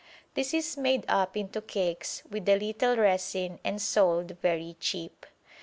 This is made up into cakes with a little resin and sold very cheap.